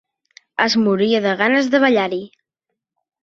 Es moria de ganes de ballar-hi.